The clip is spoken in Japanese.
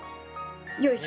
よいしょ。